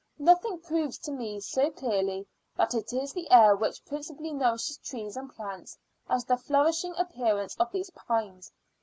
Nothing proves to me so clearly that it is the air which principally nourishes trees and plants as the flourishing appearance of these pines.